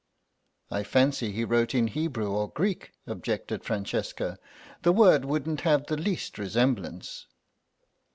"I fancy he wrote in Hebrew or Greek," objected Francesca; "the word wouldn't have the least resemblance."